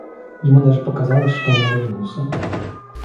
Ему даже показалось, что он улыбнулся.